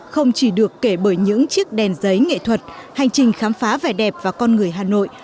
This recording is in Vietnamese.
không chỉ được kể bởi những chiếc đèn giấy nghệ thuật hành trình khám phá vẻ đẹp và con người hà nội